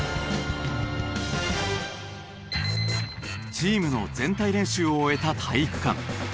チームの全体練習を終えた体育館。